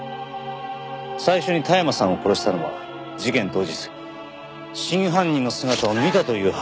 最初に田山さんを殺したのは事件当日真犯人の姿を見たという話をしていたから。